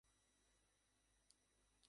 তিনি তৃতীয় স্থান পান।